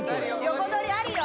横取りあるよ